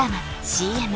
ＣＭ